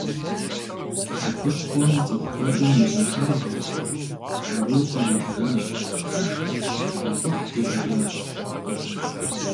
Псы хущхъуэм цӀыху куэдым узыншагъэ, къару къаритыжащ, къакӀухь ищӀыжащ.